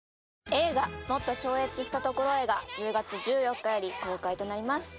映画「もっと超越した所へ。」が１０月１４日より公開となります